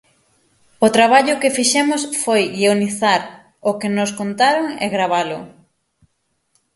O traballo que fixemos foi guionizar o que nos contaron e gravalo.